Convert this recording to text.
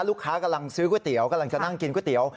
ลูกค้ากำลังซื้อก๋วยเตี๋ยวกำลังจะนั่งกินก๋วยเตี๋ยว